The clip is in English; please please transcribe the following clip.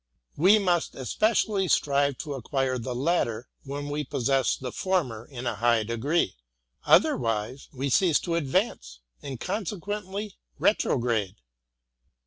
We must especially strive to acquire the latter, when we possess the former in a high degree; — otherwise we cease to advance, and consequently retrograde.